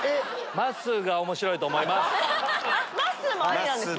まっすーもありですか？